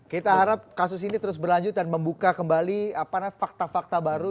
kita harap kasus ini terus berlanjut dan membuka kembali fakta fakta baru